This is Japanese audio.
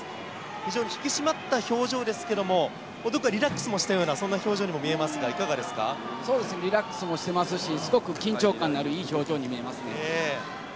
非常に引き締まった表情ですけれども、どこかリラックスをしたような、そんな表情にも見えますが、そうですね、リラックスもしてますし、すごく緊張感のあるいい表情に見えますね。